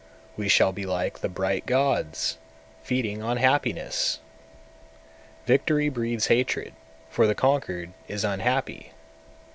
We shall be like the bright gods, feeding on happiness! 201. Victory breeds hatred, for the conquered is unhappy.